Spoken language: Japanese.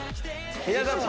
皆さん